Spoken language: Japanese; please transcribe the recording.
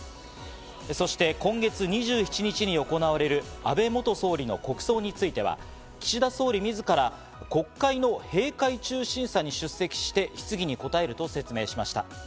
そして今月２７日に行われる安倍元総理の国葬については、岸田総理自ら国会の閉会中審査に出席し、質疑に答えると説明しました。